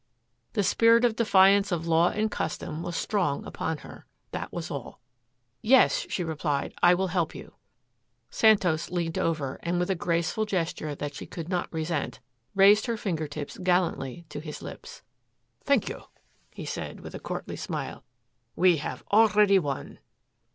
The spirit of defiance of law and custom was strong upon her. That was all. "Yes," she replied, "I will help you." Santos leaned over, and with a graceful gesture that she could not resent, raised her finger tips gallantly to his lips. "Thank you," he said with, a courtly smile. "We have already won!"